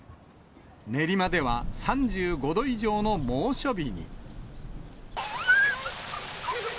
練馬では３５度以上の猛暑日に。